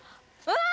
うわ！